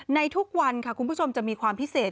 ทุกวันค่ะคุณผู้ชมจะมีความพิเศษ